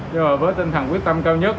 nhưng mà với tinh thần quyết tâm cao nhất